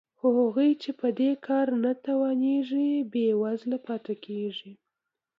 خو هغوی چې په دې کار نه توانېږي بېوزله پاتې کېږي